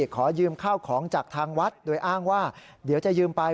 ขอยืมข้าวของจากทางวัดโดยอ้างว่าเดี๋ยวจะยืมไป